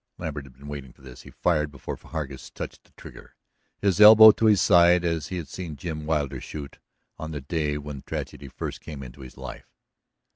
Lambert had been waiting this. He fired before Hargus touched the trigger, his elbow to his side as he had seen Jim Wilder shoot on the day when tragedy first came into his life.